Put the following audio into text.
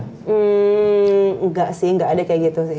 hmm enggak sih enggak ada kayak gitu sih